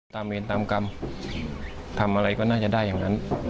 เวรตามกรรมทำอะไรก็น่าจะได้อย่างนั้น